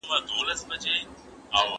ځانته د خوړو وخت ټاکل مهم دی.